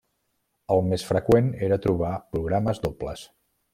El més freqüent era trobar programes dobles.